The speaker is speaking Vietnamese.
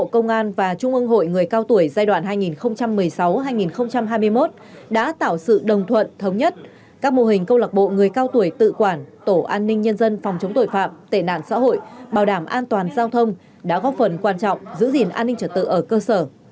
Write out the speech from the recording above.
công an và trung ương hội người cao tuổi giai đoạn hai nghìn một mươi sáu hai nghìn hai mươi một đã tạo sự đồng thuận thống nhất các mô hình câu lạc bộ người cao tuổi tự quản tổ an ninh nhân dân phòng chống tội phạm tệ nạn xã hội bảo đảm an toàn giao thông đã góp phần quan trọng giữ gìn an ninh trật tự ở cơ sở